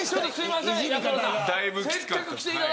だいぶきつかったです。